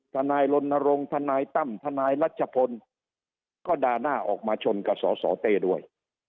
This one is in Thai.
ทนายรณรงค์ทนายตั้มทนายรัชพลก็ด่าหน้าออกมาชนกับสสเต้ด้วย